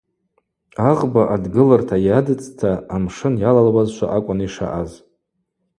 Агъба адгылырта йадцӏта амшын йалалуазшва акӏвын йшаъаз.